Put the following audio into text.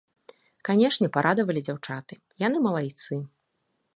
Канешне, парадавалі дзяўчаты, яны малайцы.